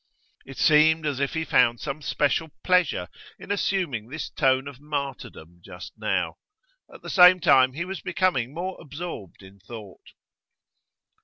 It seemed as if he found some special pleasure in assuming this tone of martyrdom just now. At the same time he was becoming more absorbed in thought.